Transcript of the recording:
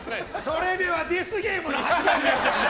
それではデスゲームの始まりだ！